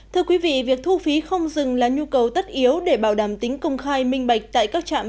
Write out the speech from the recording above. thưa quý vị việc thu phí không dừng là nhu cầu tất yếu để bảo đảm tính công khai minh bạch